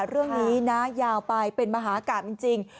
เรื่องนี้นะยาวไปเป็นมหากราบจริง